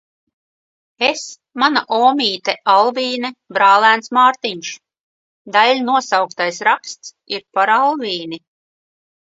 Es, mana omīte Alvīne, brālēns Mārtiņš. Daiļnosauktais raksts ir par Alvīni.